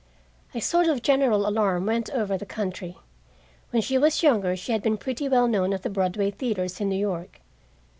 A sort of general alarm went over the country. When she was younger she had been pretty well known at the Broadway theaters in New York.